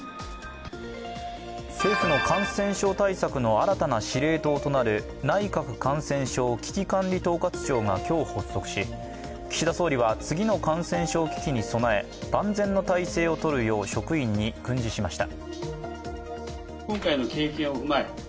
政府の感染症対策の新たな司令塔となる内閣感染症危機管理統括庁が今日発足し岸田総理は次の感染症危機に備え万全の態勢をとるよう職員に訓示しました。